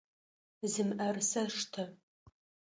Зы мыӏэрысэ штэ!